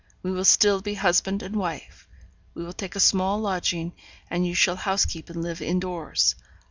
We will still be husband and wife; we will take a small lodging, and you shall house keep and live in doors.